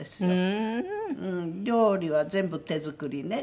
料理は全部手作りね。